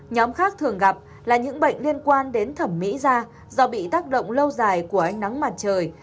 nhóm khác thường gặp là những bệnh liên quan đến thẩm mỹ da do bị tác động lâu dài của ánh nắng mặt trời